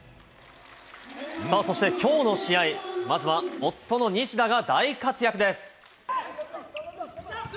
そしてきょうの試合、まずは夫の西田が大活躍です。